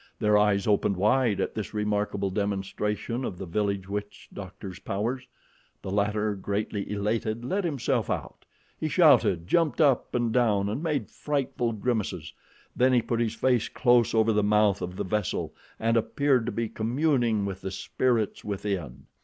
Their eyes opened wide at this remarkable demonstration of the village witch doctor's powers. The latter, greatly elated, let himself out. He shouted, jumped up and down, and made frightful grimaces; then he put his face close over the mouth of the vessel and appeared to be communing with the spirits within.